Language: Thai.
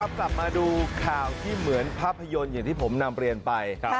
กลับมาดูข่าวที่เหมือนภาพยนตร์อย่างที่ผมนำเรียนไป